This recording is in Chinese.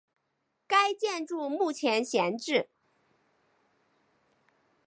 该建筑目前闲置。